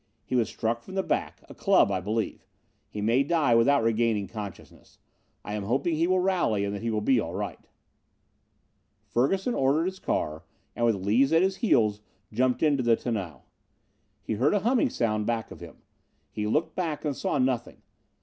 He was struck from the back a club, I believe. He may die without regaining consciousness. I am hoping he will rally and that he will be all right." Ferguson ordered his car and, with Lees at his heels, jumped in the tonneau. He heard a humming sound back of him. He looked back and saw nothing.